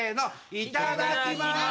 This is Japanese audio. いただきます。